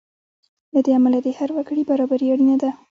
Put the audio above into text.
له دې امله د هر وګړي برابري اړینه ده.